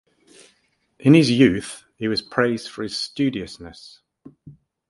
In his youth, he was praised for his studiousness.